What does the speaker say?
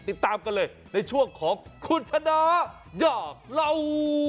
ติดตามกันเลยในช่วงของคุณชนะอยากเล่า